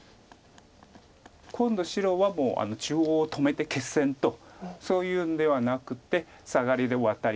今度白はもう中央を止めて決戦とそういうんではなくってサガリでワタリも確保して。